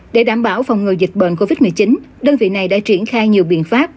để đảm bảo phòng ngừa dịch bệnh covid một mươi chín đơn vị này đã triển khai nhiều biện pháp